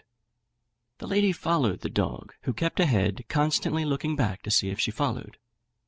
The lady followed the dog, who kept ahead, constantly looking back to see if she followed.